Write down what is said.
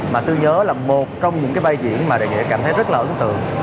mà tôi nhớ là một trong những vai diễn mà nghĩa cảm thấy rất là ấn tượng